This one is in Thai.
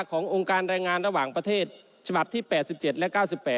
ขององค์การแรงงานระหว่างประเทศฉบับที่๘๗และ๙๘